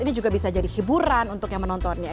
ini juga bisa jadi hiburan untuk yang menontonnya